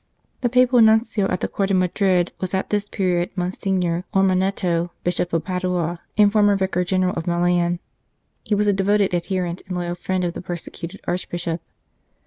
The Papal Nuncio at the Court of Madrid was at this period Monsignor Ormanetto, Bishop of Padua, and former Vicar General of Milan. He was a devoted adherent and loyal friend of the persecuted Archbishop.